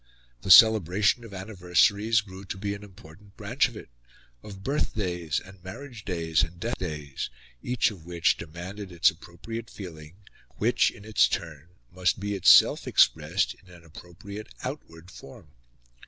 The celebration of anniversaries grew to be an important branch of it of birthdays and marriage days and death days, each of which demanded its appropriate feeling, which, in its turn, must be itself expressed in an appropriate outward form.